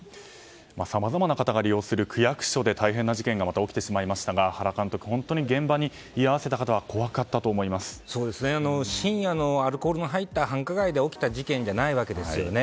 さまざまな方が利用する区役所で大変な事件がまた起きてしまいましたが原監督、現場に居合わせた方は深夜のアルコールの入った繁華街で起きた事件ではないわけですよね。